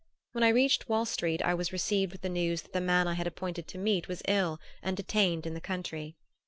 When I reached Wall Street I was received with the news that the man I had appointed to meet was ill and detained in the country.